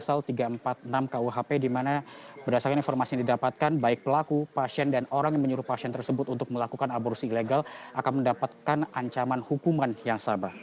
pasal tiga ratus empat puluh enam kuhp di mana berdasarkan informasi yang didapatkan baik pelaku pasien dan orang yang menyuruh pasien tersebut untuk melakukan aborsi ilegal akan mendapatkan ancaman hukuman yang sabar